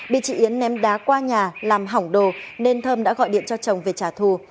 bị chị yến ném đá qua nhà làm hỏng đồ nên thơm đã gọi điện cho chồng về trả thù